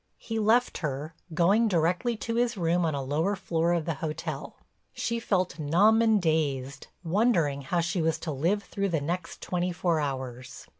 He left her, going directly to his room on a lower floor of the hotel. She felt numb and dazed, wondering how she was to live through the next twenty four hours.